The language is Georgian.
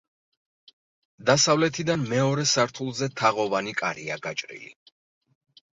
დასავლეთიდან მეორე სართულზე თაღოვანი კარია გაჭრილი.